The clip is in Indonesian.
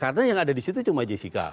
karena yang ada disitu cuma jessica